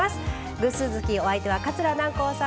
偶数月お相手は桂南光さんです。